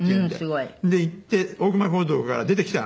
で行って大隈講堂から出てきたの。